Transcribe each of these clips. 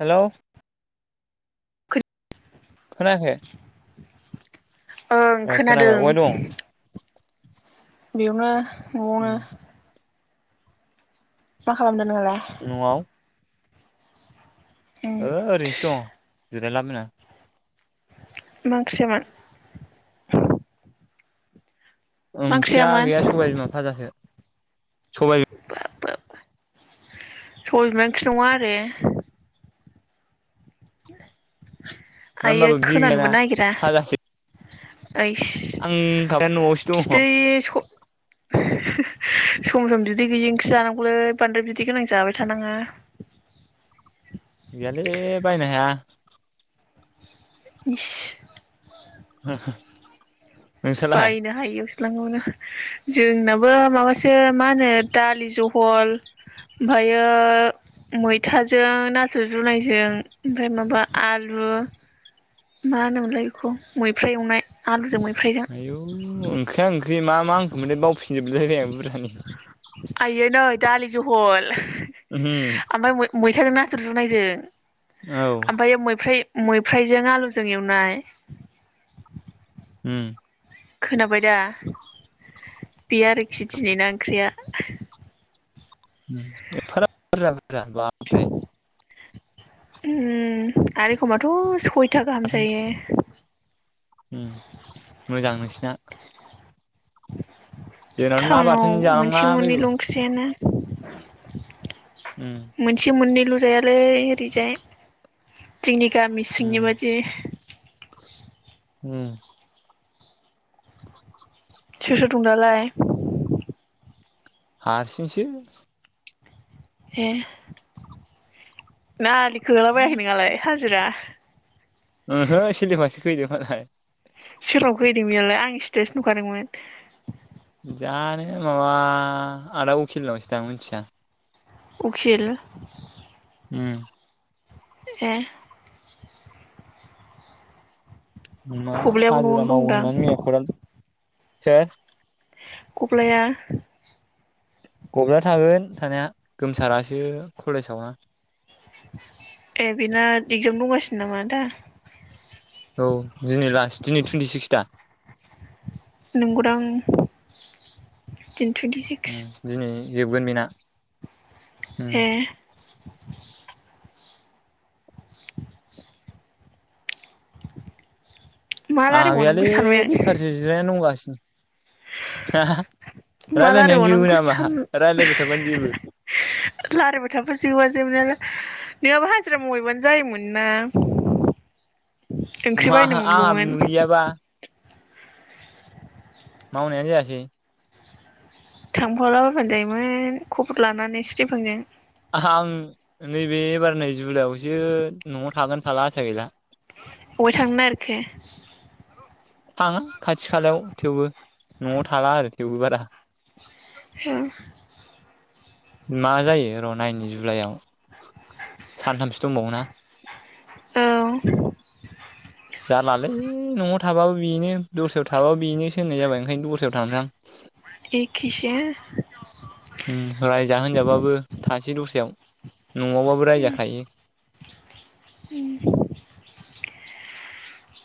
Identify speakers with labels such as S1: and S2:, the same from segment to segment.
S1: Hello
S2: खो
S1: खोनायाखै
S2: ओं
S1: ए खोनाबाय
S2: खोनादों
S1: अबाय दं
S2: बेयावनो न'आवनो
S1: उम
S2: मा खालामदों नोंहालाय
S1: न'आव
S2: उम
S1: ओरैनोसो दङ जिरायला बायना
S2: मा ओंख्रिसोमोन
S1: ओंख्रिया गैया सबाइ बिमा फाजासो सबाय
S2: सबाइ बिमाया ओंख्रि नङा आरो आइयै
S1: होमबाबो बिदि गैयाना
S2: खोनानोबो नागिरा
S1: फाजासो
S2: [inaudible] सम सम
S1: आं खाबाया न'आवसो दङ
S2: बिदै गैयि ओंख्रि जानांगौलै बांद्राय बिदै गोनां जाबाय थानाङा
S1: गैयालै बायनो हाया
S2: इस
S1: हम
S2: बायनो हायो नो जोंनाबो माबासो मा होनो दालि जहल ओमफायो मैथाजों नाथुर जुनायजों ओमफ्राय माबा आलु ओ मा होनोमोनलाय बेखौ मैफ्राय एवनाय आलुजों मै
S1: आयौ ओंख्रिया ओंख्रि मा मा ओंखोममोनलाय बावफिनजोबलायबाय आं बुरजानि
S2: आइयो नै दालि जहल
S1: उम
S2: आमफाय मैथाजों ना- नाथुर जुनायजों
S1: औ
S2: ओमफायो मैफ्राय- मैफ्रायजों आलुजों एवनाय
S1: उम
S2: खोनाबाय दा बे आरोखि दिनै ना ओंख्रिया
S1: उम एफाग्राब बुरजा बुरजा बाबरे
S2: उम आरो एखमाथ' सयथा गाहाम
S1: बाथोन
S2: जायो
S1: उम मोजां नोंसिना जोंनाथ' ना
S2: थाउनाव
S1: बाथोन जानांला
S2: मोनसे मोननैल'
S1: बायगौ
S2: ओंख्रिआनो
S1: उम
S2: मोनसे मोननैल' जायालै ओरैजाय जोंनि गामि सिंनि
S1: उम
S2: बादि [unintelligible]
S1: उम
S2: सोर सोर दं दालाय
S1: हारसिंसो
S2: ए ना आलि खोलाबायाखै नोङालाय हाजिरा
S1: ओहो सिलिबासो फैदो मालाय
S2: फैदों बियालाय आं स्टेटास नुखादोंमोन
S1: जानो माबा आदा उखिल लांनोसै दां मिन्थिया
S2: उखिल
S1: उम
S2: ए
S1: मा
S2: गब्लायाबो
S1: हाजिरा
S2: न'आवनो
S1: मावो
S2: दंदां
S1: होनना मैया खदाल से
S2: गब्लाया
S1: गब्लाया थागोन थानाया गोमसारासो खलेजाव ना
S2: ए बेना एगजाम दंगासिनो नामा दा
S1: औ दिनै लास दिनै टुइन्टि सिक्स दा
S2: नंगौदां [unintelligible]
S1: उम दिनै जोबगोन बेना उम
S2: ए मा
S1: आंहा गैयालै
S2: रायलायबावनांगौ सानबाय आं
S1: बेखारसो जिरायनानै दंगासि‌ [unintelligible]
S2: मा
S1: रायलायनायानो जोबो
S2: रायलायबावनांगौ
S1: नामा रायलायबाय थाबानो जोबो
S2: लारायबाय थाबा जोबा जोबनायालाइ [unintelligible] हाजिरा मावहैबानो जायोमोनना ओंख्रि
S1: मा
S2: बायनो
S1: आंहा
S2: मोनगौमोन
S1: गैयाबा मावनायानो जायासै
S2: थांफाला बायबानो जायोमोन खबर लानानै स्रिफांजों
S1: आं नैबे एबार नै जुलाइआव सो न'आव थागोन थाला आसा गैला
S2: बहाय थांनो नागिरखो
S1: थाङा खाथि खालायाव थेवबो न'आव थाला आरो थेवबो बारा
S2: [unintelligible]
S1: मा जायो र'नायनि जुलाइआव सानथामसो दंबावो ना
S2: औ [unintelligible]
S1: जालालै न'आव थाबाबो बेनो दस्रायाव थाबाबो बेनो सो होननाय जाबाय ओंखायनो दस्रायाव थांनो आं
S2: एखेसो
S1: उम रायजा होनजाबाबो था‌ जि दस्रायाव न'आवबाबो रायजाखायो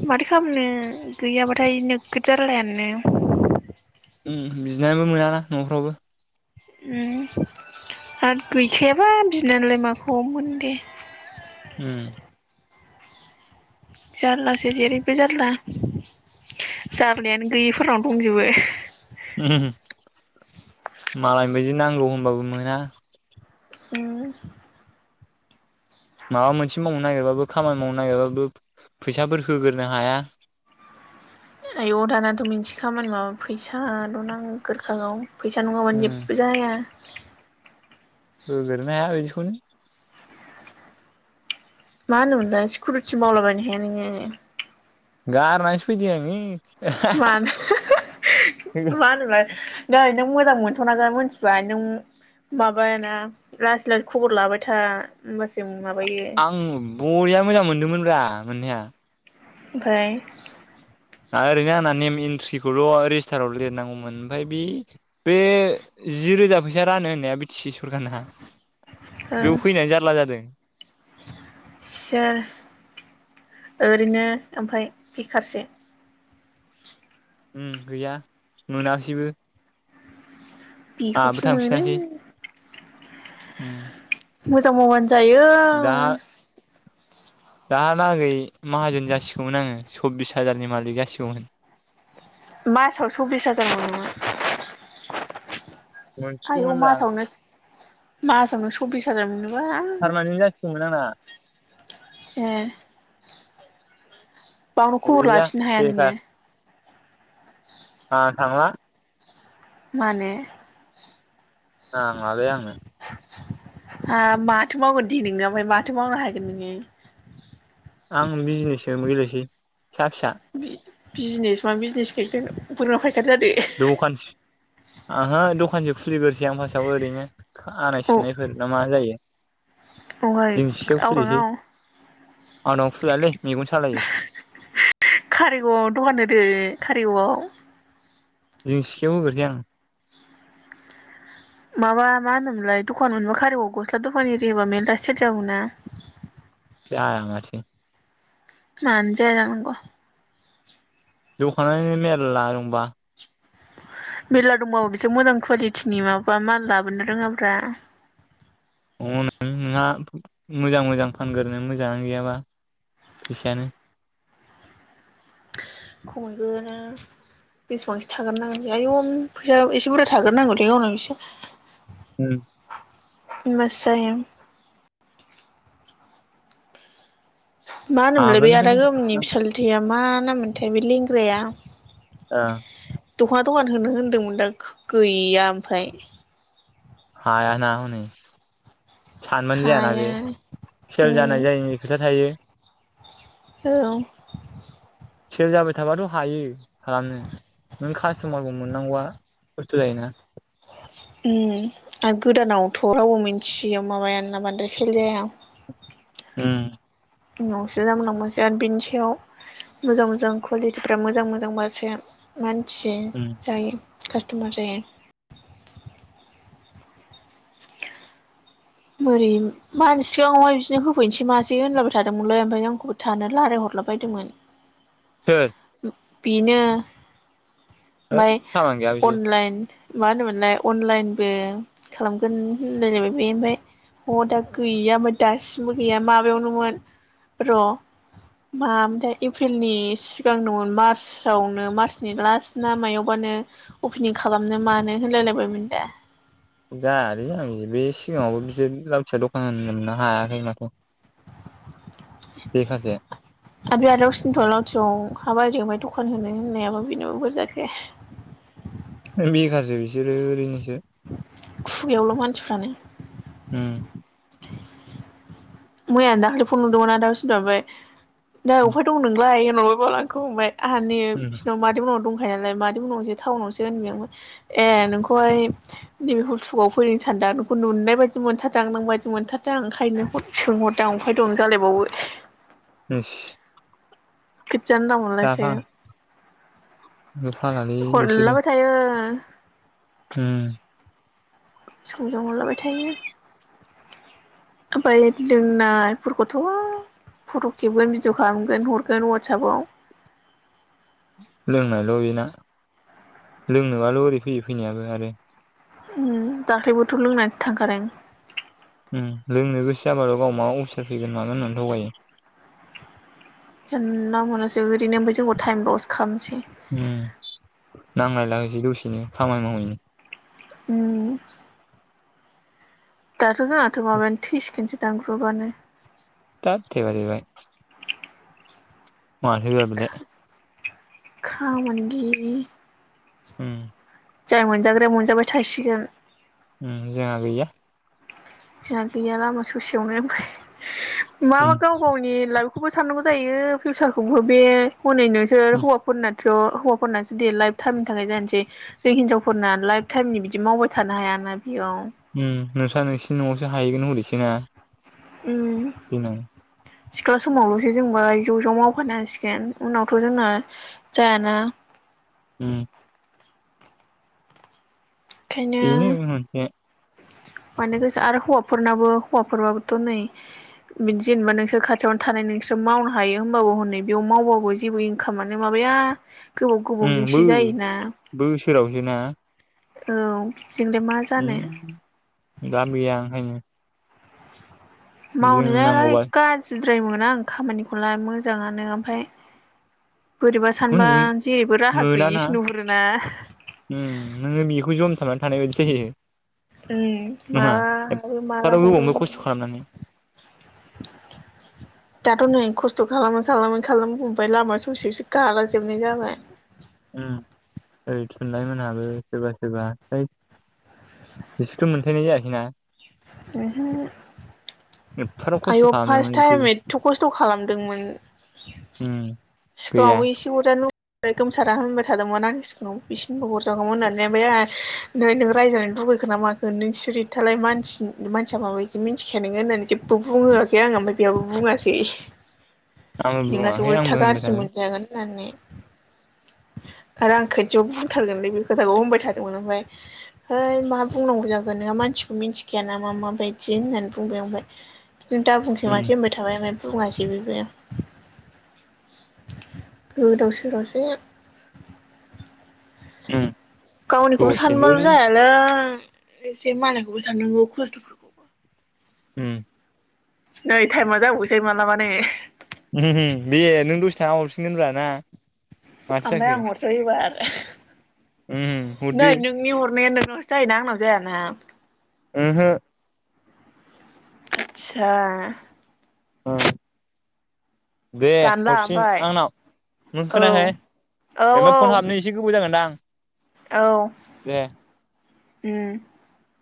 S2: माथो खालामनो गैयाबाथाय नोगोद जारालायानो
S1: उम बिनानैबो मोनाना न'फ्रावबो।
S2: उम आरो गैखायाबा बिनानलाइ माखौ मोन दे।
S1: उम।
S2: जारलासो जेरैबो जारला। जारलायानो गैयिफोरनाव दंजोबो।
S1: उमहुहु मालायनि बादि नांगौ होनबाबो मोना।
S2: उ [unintelligible]
S1: माबा मोनसे मावनो नागिरबाबो खामानि मावनो नागिरबाबो फैसाफोर होग्रोनो हाया। [inaudible]
S2: आय' दानाथ' बिदि खामानि माबाबा फैसा ल' नांग्रो खागौ। फैसा नंङाबानो
S1: उम
S2: जेबबो जाया।
S1: होगोरनो हाया‌ एसेखौनो।
S2: मा होनोमोनलाय सिकिउरिटि मावलाबायनो हाया नोंङो?
S1: गारनासो फैदि आंङो।
S2: मानो [unintelligible] मा होनो मोनोलाय नैऐ नों मोजां मोनस'नाखै मिथिबाय नों माबायाना लासै लासै खबर लाबाय था होनबासो
S1: आं बरिया मोजां मोनदोंमोनब्रा मोननाया।
S2: ओमफाय?
S1: ओरैनो आंना नेम एन्ट्रिखौल' रेजिस्टाराव लिरनांगौमोन ओमफ्राय बि बे जि रोजा फैसा रानो होनाया बि थि सि सरखारना बेयाव फैनानै जारला जादों।
S2: इसोर ओरैनो थामफाय बेखारसो।
S1: उम गैया मोनाखिसैबो।
S2: बिखौखि मोनो।
S1: उम
S2: मोजां मावबानो जायो।
S1: दा दालागै माहाजोन जासिगौमोन आंङो सब्बिस हाजारनि मालिक जासिगौमोन।
S2: मासाव सब्बिस हाजार मोनोमोन? आयौ
S1: मोनसिगौमोनब्रा आं
S2: मासावनो मासावनो सब्बिस हाजार मोनो
S1: पारमानेन्ट जासिगौमोन आंना।
S2: ए बावनो खबर
S1: गैया
S2: लाफिननो हाया नोंङो?
S1: आ थांङा।
S2: मानो?
S1: नांङालै आंनो।
S2: हाब माथो मावगोन दे नोंङो आमफायय माथो मावनो हागोन नोंङो?
S1: आं बिजनेसो गेलेनोसै फिसा फिसा।
S2: बिजनेस मा बिजनेस ग बोरमा फायखा जादो।
S1: आंहो दखानसो खुलिग्रोसै आं फार्स्टआव ओरैनो आनाय
S2: अ
S1: सिननायफोर ना मा जायो।
S2: दहाय
S1: दिंसियाव खुलिहै
S2: आवराङाव
S1: आंनाव खुलियालै।
S2: कारिगावआव दखान होदो कारिगावआव।
S1: जों सियाव होगोनलै आं।
S2: माबा मा होनोमोनलाय दखान मोनबा कारिगाव आव गस्ला दखान एरिहोबा मेरला सेल जागौना।
S1: जाया माथो।
S2: मानो जाया जानांगौ।
S1: दखानानो मेरला दंबा।
S2: मेरला दंबावो बिसोर मोजां कुवालिटिनि माबा माल लाबोनो रोङाब्रा।
S1: हनै नोंहा मोजां मोजां फानग्रोनो मोजाङानो गैयाबा। फैसायानो।
S2: खमैबो बेसेबांसो थाग्रोनांगोन आयु फैसा एसे बुरजा थाग्रोनांगौलै गावनाव एसे
S1: ओम
S2: होनबासो जायो। मा होनोमोनलाय बे आदा गोग्गोमनि
S1: आगोलनिफ्रायनो
S2: बिसालथेया मा नाम मोनथाय बे लेंग्राया
S1: ओं।
S2: दख'ना दखान होनो होनदोंमोन दा गैया ओमफाय।
S1: हाया ना हनै। सानबानो जायाना
S2: हाया
S1: बे सेल
S2: उम
S1: जानाय जायैनि खोथा थायो।
S2: औ।
S1: सेल जाबाय थाबाथ' हायो खालामनो। नों कास्ट'मारखौ मोननांगौआ खस्थ' जायोना?
S2: आरो गोदानावथ' रावबो मिथियो माबाय ना बांद्राय सेल जाया।
S1: ओम।
S2: उनावसो जामलांबासो बिनि सायाव मोजां मोजां कुवालिटिफ्रा मोजां मोजां बासो मा हो नो मानसि
S1: उम
S2: जायो कास्ट'मार जायो। बोरै मा होनो सिगाङाहाय बिसोरनो होफैनोसै मासै होनलाबाय थादोंमोनलै ओमफ्राय आंखौबो थानो रालायहर लाबायदोंमोन।
S1: सोर?
S2: बेनो
S1: होद
S2: ओमफाय
S1: खामानि गैया बिसोर
S2: अनलाइन मा होनोमोनलाय अनलाइनबो खालामगोन होनलायलायाय बे ओमफ्राय ह दा गैया ओमफाय दासिमबो गैया माबायावनोमोन र' मामोनथाय एप्रिलनि सिगांनोमोन मार्चआवनो मार्चनि लास्ट ना मायावबा नो अपेनिं खालामनो मानो होनलायलायबायमोन दा।
S1: जानो आं बे सिगाङावबो बिसोर लावथियाव दखान होननो हायाखै माथो। बेखारसो
S2: आरो बे आदा वासिंथ'ना लावथियाव हा बायदों ओमफाय दखान होनो होननायाबो बेनाबा बोरै जाखो।
S1: बेखारसो बिसोरो ओरैनोसो।
S2: खुगायावल' मानसिफ्रानो।
S1: उम
S2: मैयाना दाखालि फन हरदोंमोन आदा असिन्थया ओमफाय नै
S1: उम
S2: अबफाय दं नोंलाय होनहरबाय बाल आंखौ ओमफाय आंहा नै बिसिनाव मादैमोनाव दं नालाय मादै मोनावसै टाउनावसो होनबाय आं ओमफाय ए नोंखौहाय नैबेखौ हलथुगाव फैगोन सान दों आं नोंखौ नुनाय बायदि मोनथारदों आं नों बायदि मोनथारदों आ ओंखायनो सोंहरदों आं अफाय दं नों जालायबावो।
S1: इस
S2: जानला मोनलासो।
S1: जाफां जुफालालै बिसोरो
S2: हरलाबाय थायो।
S1: ओम
S2: सोंहरलाबाय थायो। ओमफ्राय लोंनाफोरखौथ' फट' खेबगोन भिडिअ खालामगोन हरगोन वाटसापआव।
S1: लोंनायल' बेना लोंनोबाल' ओरै फैयो फैनायाबो आरो।
S2: ओम दाख्लैबोथ' लोंनानैसो थांखादों।
S1: उम लोंनो गोसो जाबाल' गाव माबा अफिसार फैगोन मागोन होननानै थगायो।
S2: जानला मोनलासो ओरैनो ओमफाय जोंखौ टाइम लस्ट खालामनोसै।
S1: उम नांलायलायनोसै दसेनो खामानि मावहैनो।
S2: उम दाथ' जोंआथ' माबा थैसिगोनसो दां ग्रुपानो।
S1: दाथ थैबा थैबाय मानो होबेलाय
S2: खामानि गैयि
S1: हम
S2: जाय मोनजाग्राया मोनजाबाय थासिगोन
S1: उम जोंआ गैया
S2: जोंहा गैया लामा ससेयावनो ओमफाय मा
S1: उम
S2: मा गाव गावनि लाइफखौबो साननांगौ जायो फिउसारखौबो बे हनै नोंसोर
S1: उम
S2: हौवाफोरनाथ' हौवाफोरनासो दे लाइभ टाइमनि थाखाय जानोसै जों हिनजावफोरना लाइभ टाइमनि बिदि मावबाय थानो हायाना बेयाव
S1: उम नोंस्रा नोंसिनि न'आवसो हाहैगोन हरैसैना
S2: उम सिख्ला समावल'सो जोंबो ज' ज' मावफानांसिगोन उनावथ' जोंना जायाना
S1: उम
S2: ओंखायनो
S1: बिनि उम उम
S2: मानो गोसो आरो हौवाफोरनाबो हौवाफोश्रबाबोथ' नायो जेनेबा नोंसोर खाथियावनो थानाय नोंसोर मावनो हायो होमबाबो हनै बेयाव मावबाबो जेबो इनकामानो म- नो गोबाव
S1: उम बो
S2: गोबावजोंसो जायोना
S1: बोसोरावसोना
S2: औ बिदिजोंलाय मा जानो
S1: दाम गैया ओंखायनो जों
S2: मावनो
S1: नांगौबा
S2: गारजि जेबो मोना आं खामानिखौलाय मोजाङानो ओमफ्राय बोरैबा सानबा जेरैबो राहा
S1: मोनाना
S2: गैयिसो नुहुरोना
S1: उम नोङो बेखौ जम थाबनानै थानाय बायदिसो जायो
S2: उम
S1: नङा
S2: माबा लाब आरो माला
S1: एफाराब
S2: हरो
S1: गोबावबो
S2: होननाय
S1: खस्थ' खालामनानै
S2: दाथ' नै खस्थ' खालामै खालामै खालाम बुबाय लामा ससेसो गालां जोबनाय जाबाय
S1: उम ओइ थुनलाइमोनहाबो सोरबा सोरबा ओ बिसोरथ' मोनथायनाय जायाखैना
S2: ओहो
S1: एफाराब खस्थ'
S2: आयौ फास
S1: खालामदोंमोन
S2: टाइम
S1: बिसोरबो
S2: एथ' खस्थ' खालामदोंमोन!
S1: उम गैया
S2: सिगाङावबो एसे अरजानो गोमसारा होनबाय थादोंमोन आंनि सिगङाव बिसिनिखौबो हरजागौमोन होननानै ओमफाय आं नै नों रायजागोन लुगैखो ना माखो नोंसोरिथालाय मानसि मानसिया माबायदि मिथिखाया नोङो होनना जेबो बुङोआखै आं ओमफाय बेयाबो बुङासै
S1: आं
S2: नोंहासो
S1: बुंआखै
S2: उल्था
S1: आंबो
S2: गाज्रि
S1: थादों
S2: मोनजागोन होननानै आरो आं खोथियाव बुंथारगोनलै बे खोथाखौ बुंबाय थादोंमोन ओमफ्राय हैइ मा बुंनांगौ जाखो नोंहा मानसिखौ मिथिखाया नामा माबायदि होननानै बुंबाय आं ओमफ्राय। नों दा बुंसै
S1: उम
S2: मासै होनबाय थाबाय नालाय बुङासै बेबो गोदाव सोरावसो
S1: ओम
S2: गावनिखौल' सानबाल' जायालै एसे मालायखौबो साननांगौ खस्थ'फोरखौ
S1: उम
S2: नै टाइमा जाबावसै मालाबा नो
S1: रेलि दे नों दसे थाना हरफिनगोनब्रा ना माथो
S2: ओमफ्राय
S1: जाखो
S2: आं हरसै एबार
S1: उम
S2: नै
S1: हरदो
S2: नोंनि हरनाया नों सो जायोना आंनाव जायाना
S1: ओमहो
S2: आटसा
S1: ओं दे
S2: दानला
S1: हरफिन
S2: ओमफ्राय
S1: आंनाव नों
S2: औ
S1: खोनायाखै ओमफ्राय फन गाबनो एसे गोबाव जागोनदां दे
S2: औउम